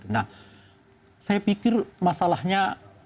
nah saya pikir masalahnya